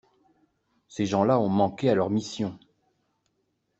Ces gens-là ont manqué à leur mission.